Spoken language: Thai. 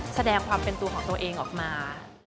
แสดงความเป็นตัวของตัวเองออกมา